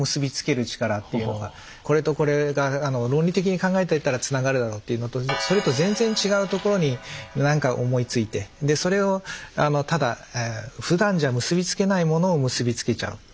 これとこれが論理的に考えていったらつながるだろうっていうのとそれと全然違うところに何か思いついてそれをただふだんじゃ結びつけないものを結びつけちゃう。